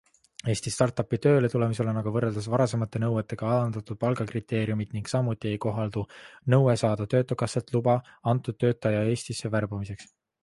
Eesti startupi tööle tulemisel on aga võrreldes varasemate nõuetega alandatud palgakriteeriumit ning samuti ei kohaldu nõue saada töötukassalt luba antud töötaja Eestisse värbamiseks.